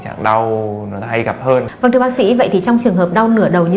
trạng đau nó hay gặp hơn vâng thưa bác sĩ vậy thì trong trường hợp đau nửa đầu như